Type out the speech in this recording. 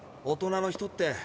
「大人のひと」って。